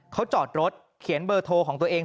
เขาจอดรถเขียนเบอร์โทรของตัวเอง